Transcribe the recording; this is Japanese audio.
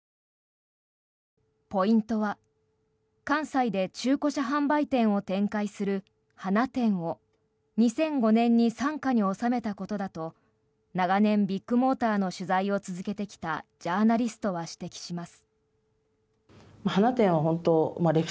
ポイントは、関西で中古車販売店を展開するハナテンを２００５年に傘下に収めたことだと長年、ビッグモーターの取材を続けてきたジャーナリストは指摘します。